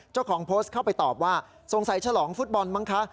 เจ้าของโพสต์เข้าไปตอบว่าสงสัยฉลองฟุตบอลมั้งคะ